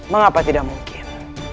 mengapa tidak mungkin